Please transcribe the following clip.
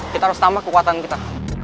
kita harus tambah kekuatan kita